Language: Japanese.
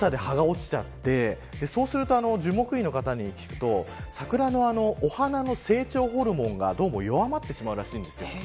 そうすると、樹木医の方に聞くと桜のお花の成長ホルモンがどうも弱まってしまうらしいんです。